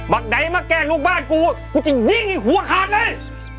ไหนมาแกล้งลูกบ้านกูกูจะยิงอีกหัวขาดเลย